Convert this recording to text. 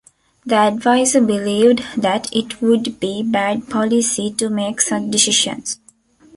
The adviser believed that it would be "bad policy" to make such decisions.